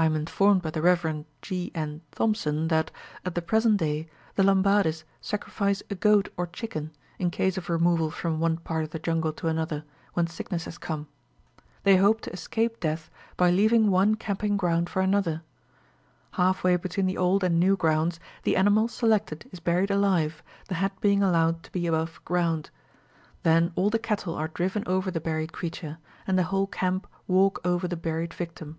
I am informed by the Rev. G. N. Thomssen that, at the present day, the Lambadis sacrifice a goat or chicken, in case of removal from one part of the jungle to another, when sickness has come. They hope to escape death by leaving one camping ground for another. Half way between the old and new grounds, the animal selected is buried alive, the head being allowed to be above ground. Then all the cattle are driven over the buried creature, and the whole camp walk over the buried victim.